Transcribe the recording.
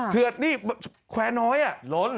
เคือนแควร์น้อยล้น